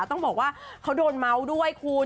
ต้องบอกว่าเขาโดนเมาส์ด้วยคุณ